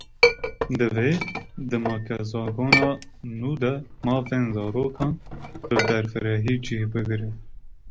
Divê di makezagona nû de mafên zarokan, bi berfirehî cih bigirin